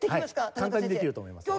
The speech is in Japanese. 簡単にできると思いますよ。